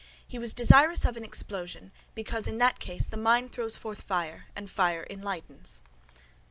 He was desirous of an explosion, because in that case the mine throws forth fire, and fire enlightens.